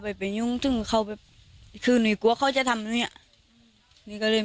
แบบเป็นยุ่งซึ่งเขาแบบคือหนีกลัวเขาจะทำอย่างนี้หนีก็เลย